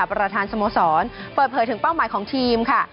ประธานสโมสรเปิดเผยถึงเป้าหมายของทีมค่ะ